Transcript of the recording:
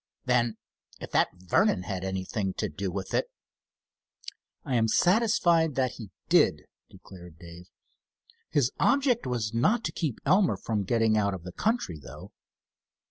"Then if that Vernon had anything to do with it——" "I am satisfied that he did," declared Dave. "His object was not to keep Elmer from getting out of the country, though."